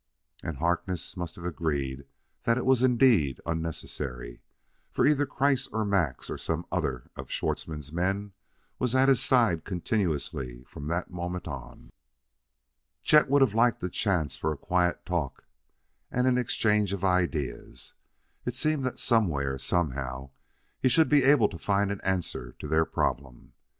And Harkness must have agreed that it was indeed unnecessary, for either Kreiss or Max, or some other of Schwartzmann's men, was at his side continuously from that moment on. Chet would have liked a chance for a quiet talk and an exchange of ideas. It seemed that somewhere, somehow, he should be able to find an answer to their problem.